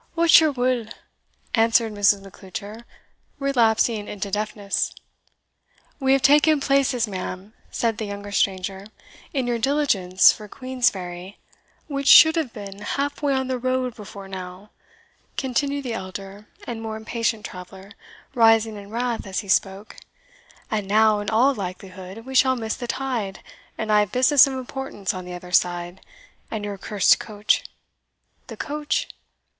"What's your wull?" answered Mrs. Macleuchar, relapsing into deafness. "We have taken places, ma'am," said the younger stranger, "in your diligence for Queensferry" "Which should have been half way on the road before now," continued the elder and more impatient traveller, rising in wrath as he spoke: "and now in all likelihood we shall miss the tide, and I have business of importance on the other side and your cursed coach" "The coach?